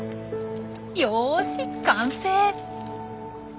よし完成！